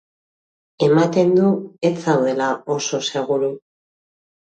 Ematen du ez zaudela oso seguru.